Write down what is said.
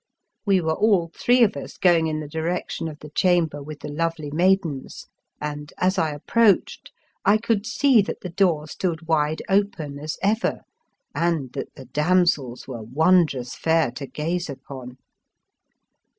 We were all three of us going in the direction of the chamber with the lovely maidens, and, as I approached, I could see that the door stood wide open as ever, and that the damsels were wondrous fair to gaze upon.